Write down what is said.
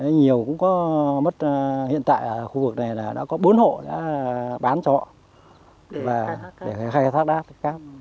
nhiều cũng có mất hiện tại ở khu vực này là đã có bốn hộ đã bán cho họ và để khai thác đá cát